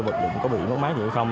vật định có bị mất mát hay không